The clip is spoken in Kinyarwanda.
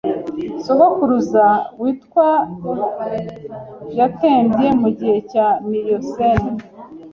sogokuruza witwa yatembye mugihe cya Miocene